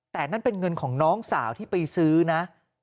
แต่นั่นเป็นเงินของน้องสาวที่ไปซื้อนะ